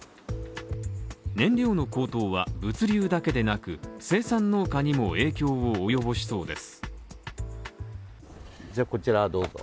燃料の高騰は、物流だけでなく、生産農家にも影響を及ぼしそうです。